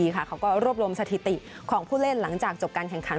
เขาก็รวบรวมสถิติของผู้เล่นหลังจากจบการแข่งขัน